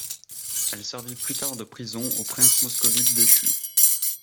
Elle servit plus tard de prison aux princes moscovites déchus.